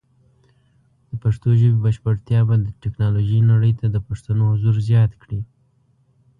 د پښتو ژبې بشپړتیا به د ټیکنالوجۍ نړۍ ته د پښتنو حضور زیات کړي.